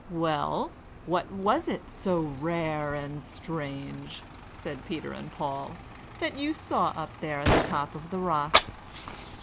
"Well, what was it, so rare and strange," said Peter and Paul, "that you saw up there at the top of the rock?"